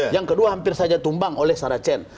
yang kedua hampir saja tumbang oleh saracen